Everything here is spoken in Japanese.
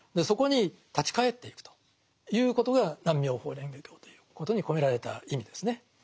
そこに立ち返っていくということが「南無妙法蓮華経」ということに込められた意味ですね。